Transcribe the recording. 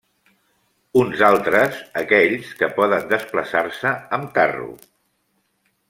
Uns altres, aquells que poden desplaçar-se amb carro.